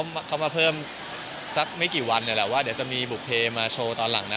เขามาเพิ่มสักไม่กี่วันเนี่ยแหละว่าเดี๋ยวจะมีบุคเพมาโชว์ตอนหลังนะ